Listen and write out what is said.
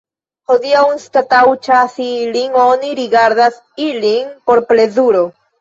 Hodiaŭ, anstataŭ ĉasi ilin, oni rigardas ilin por plezuro.